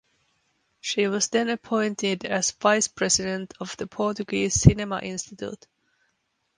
She was then appointed as vice president of the Portuguese Cinema Institute.